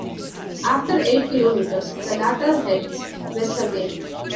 After eight kilometres, the latter heads west again.